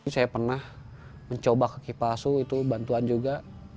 saya pernah mencoba kaki palsu itu bantuan juga